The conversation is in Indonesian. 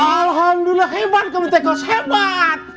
alhamdulillah hebat kamu teko hebat